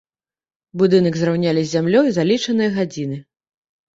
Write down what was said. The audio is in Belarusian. Будынак зраўнялі з зямлёй за лічаныя гадзіны.